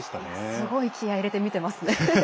すごい気合い入れて見てますね。